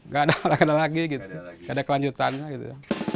gak ada lagi gitu gak ada kelanjutannya gitu